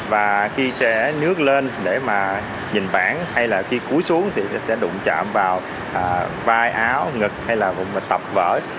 và khi trẻ nước lên để mà nhìn bảng hay là khi cúi xuống thì sẽ đụng chạm vào vai áo ngực hay là vùng tập vỡ